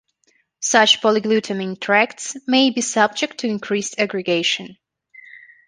Such polyglutamine tracts may be subject to increased aggregation.